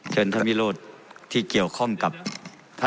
เชิญท่านวิโรธที่เกี่ยวข้องกับท่าน